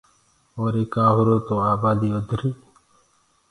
وريٚ ڪآ هُرو تو آباديٚ وڌريٚ۔